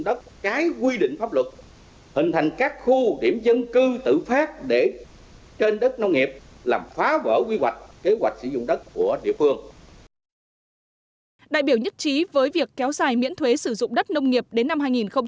đại biểu nhất trí với việc kéo dài miễn thuế sử dụng đất nông nghiệp đến năm hai nghìn hai mươi